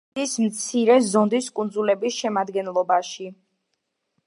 შედის მცირე ზონდის კუნძულების შემადგენლობაში.